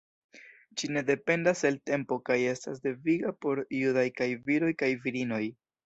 Ĝi ne dependas el tempo kaj estas deviga por judaj kaj viroj kaj virinoj.